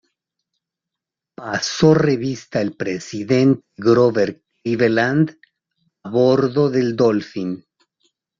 Pasó revista el presidente Grover Cleveland a bordo del "Dolphin".